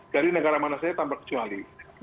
dari negara mana saja tanpa kecuali